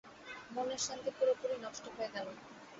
মনের শান্তি পুরোপুরি নষ্ট হয়ে গেল।